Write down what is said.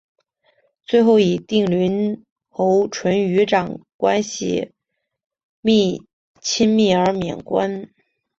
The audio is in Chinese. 最后与定陵侯淳于长关系亲密而免官。